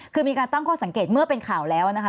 คือมีการตั้งข้อสังเกตเมื่อเป็นข่าวแล้วนะคะ